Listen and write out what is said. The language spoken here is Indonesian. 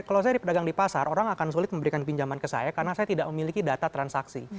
kalau saya di pedagang di pasar orang akan sulit memberikan pinjaman ke saya karena saya tidak memiliki data transaksi